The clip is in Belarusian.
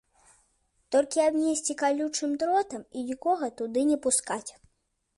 Толькі абнесці калючым дротам, і нікога туды не пускаць.